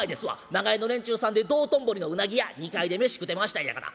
長屋の連中さんで道頓堀のうなぎ屋２階で飯食うてましたんやがな。